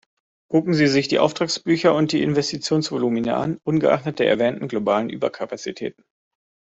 Gucken Sie sich die Auftragsbücher und die Investitionsvolumina an, ungeachtet der erwähnten globalen Überkapazitäten.